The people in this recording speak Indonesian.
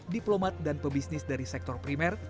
diplomat dan pebisnis dari sektor primer